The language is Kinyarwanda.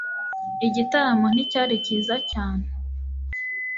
Igitaramo nticyari cyiza cyane